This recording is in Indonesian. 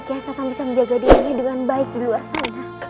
rai kian santan bisa menjaga dirinya dengan baik di luar sana